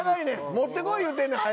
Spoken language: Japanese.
持って来い言うてんねん早！